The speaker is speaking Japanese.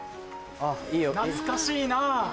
懐かしいなぁ。